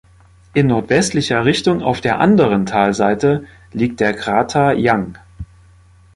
In nordwestlicher Richtung auf der anderen Talseite liegt der Krater Young.